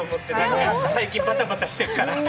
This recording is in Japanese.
最近バタバタしてるから。